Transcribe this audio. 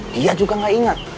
dia juga nggak inget